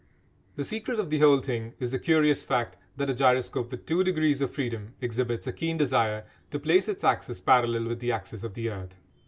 The secret of the whole thing is the curious fact that a gyroscope with two degrees of freedom exhibits a keen desire to place its axis parallel with the axis of the earth.